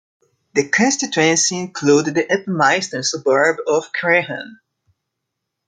The constituency included the Upminster suburb of Cranham.